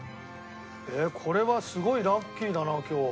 えっこれはすごいラッキーだな今日。